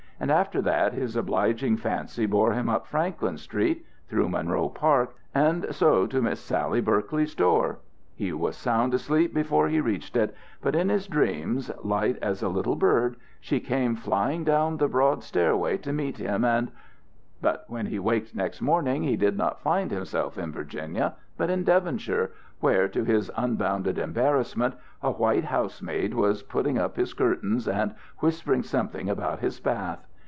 And after that his obliging fancy bore him up Franklin Street, through Monroe Park, and so to Miss Sally Berkeley's door. He was sound asleep before he reached it, but in his dreams, light as a little bird, she came flying down the broad stairway to meet him, and But when he waked next morning, he did not find himself in Virginia, but in Devonshire, where, to his unbounded embarrassment, a white housemaid was putting up his curtains and whispering something about his bath.